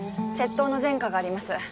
窃盗の前科があります。